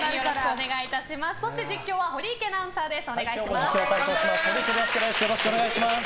そして実況は堀池アナウンサーです。